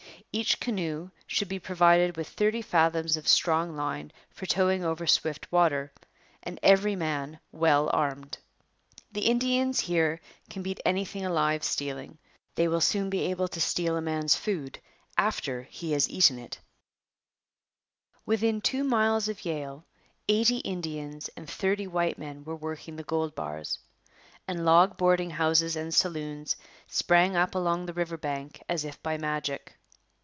Each canoe should be provided with thirty fathoms of strong line for towing over swift water, and every man well armed. The Indians here can beat anything alive stealing. They will soon be able to steal a man's food after he has eaten it. [Illustration: Indians near New Westminster, B.C. From a photograph by Maynard.] Within two miles of Yale eighty Indians and thirty white men were working the gold bars; and log boarding houses and saloons sprang up along the river bank as if by magic.